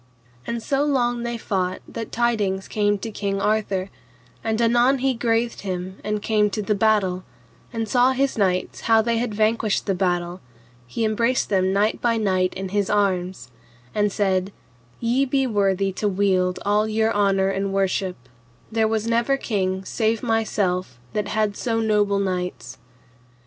And so long they fought that tidings came to King Arthur, and anon he graithed him and came to the battle, and saw his knights how they had vanquished the battle, he embraced them knight by knight in his arms, and said, Ye be worthy to wield all your honour and worship; there was never king save myself that had so noble knights.